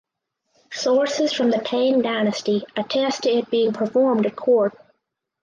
Sources from the Tang dynasty attest to it being performed at court.